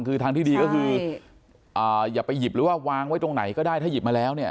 คือทางที่ดีก็คืออย่าไปหยิบหรือว่าวางไว้ตรงไหนก็ได้ถ้าหยิบมาแล้วเนี่ย